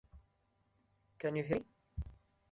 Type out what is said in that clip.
The buildings are essentially built using bricks.